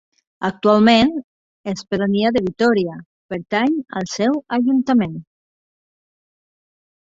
Actualment és pedania de Vitòria, pertany al seu Ajuntament.